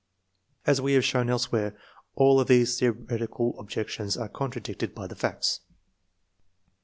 As we have shown elsewhere, all of these theoretical objections are contradicted by the facts.